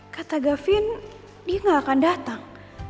kata gavin dia gak akan datang